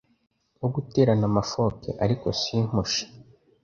wo guterana amakofe ariko simpushe.